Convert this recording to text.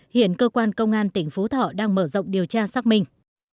hiện cơ quan công an tỉnh phú thọ đang mở rộng điều tra xác minh